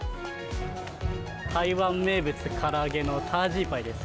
台湾名物、から揚げのダージーパイです。